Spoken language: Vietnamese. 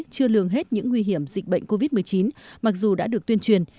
chưa lường hết những nguy hiểm dịch bệnh covid một mươi chín mặc dù đã được tuyên truyền